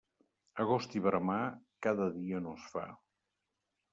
Agost i veremar, cada dia no es fa.